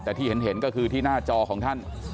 แต่ที่เห็นก็คือที่หน้าจอของท่าน